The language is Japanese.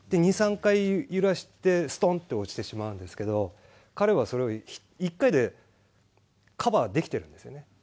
２、３回揺らして、すとんって落ちてしまうんですけど、彼はそれを１回でカバーできてるんですよね。